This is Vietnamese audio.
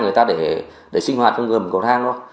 người ta để sinh hoạt